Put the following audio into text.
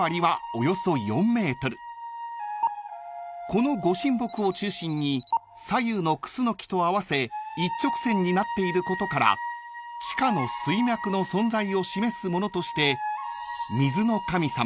［この御神木を中心に左右のクスノキと併せ一直線になっていることから地下の水脈の存在を示すものとして］